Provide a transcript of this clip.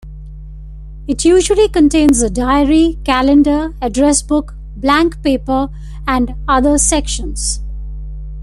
It usually contains a diary, calendar, address book, blank paper, and other sections.